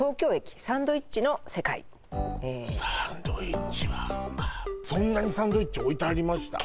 サンドイッチはそんなにサンドイッチ置いてありました？